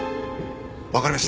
わかりました。